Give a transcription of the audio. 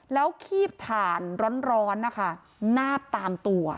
แล้วคีบถ่านร้อนนะคะนาบตามตัว